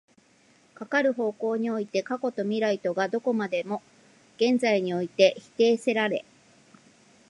かかる方向において過去と未来とがどこまでも現在において否定せられ、